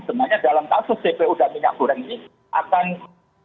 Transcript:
sebenarnya dalam kasus tpu dan minyak goreng ini